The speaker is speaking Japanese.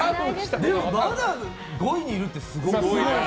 でもまだ５位にいるってすごいな。